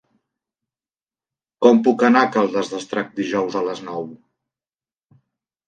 Com puc anar a Caldes d'Estrac dijous a les nou?